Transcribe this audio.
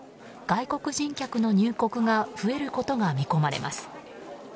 外国人客の入国が増えることが見込まれます。